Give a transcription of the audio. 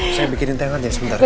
saya bikinin tengok aja sebentar